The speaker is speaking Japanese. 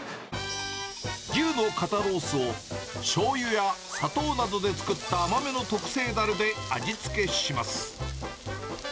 牛の肩ロースをしょうゆや砂糖などで作った甘めの特製だれで味付けします。